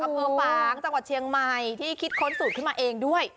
อำเภอฝางจังหวัดเชียงใหม่ที่คิดค้นสูตรขึ้นมาเองด้วย